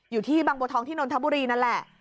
อยู่ที่บางบัวทองที่นนทบุรีนั่นแหละ